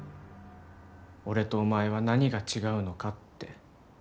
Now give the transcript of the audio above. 俺とお前は何が違うのかって。